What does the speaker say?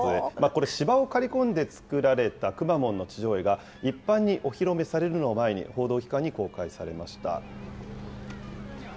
これ、芝を刈り込んで作られたくまモンの地上絵が、一般にお披露目されるのを前に、報道機関に公開されました。